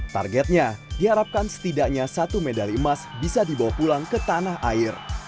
targetnya diharapkan setidaknya satu medali emas bisa dibawa pulang ke tanah air